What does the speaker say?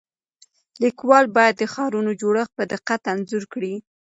لیکوال باید د ښارونو جوړښت په دقت انځور کړي.